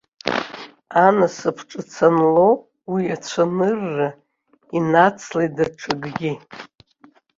Анасыԥ ҿыц анлоу, уи ацәанырра инацлеит даҽакгьы.